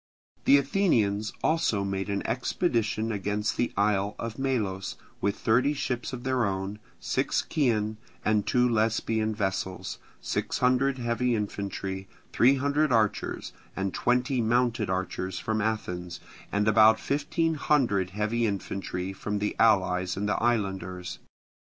The Athenians also made an expedition against the isle of Melos with thirty ships of their own, six Chian, and two Lesbian vessels, sixteen hundred heavy infantry, three hundred archers, and twenty mounted archers from Athens, and about fifteen hundred heavy infantry from the allies and the islanders.